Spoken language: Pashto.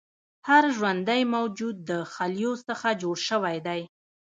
هر ژوندی موجود د خلیو څخه جوړ شوی دی